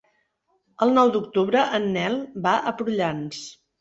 El nou d'octubre en Nel va a Prullans.